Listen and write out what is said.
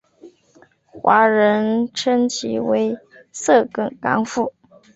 华人称其为色梗港府。